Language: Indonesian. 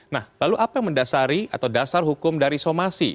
nah lalu apa yang mendasari atau dasar hukum dari somasi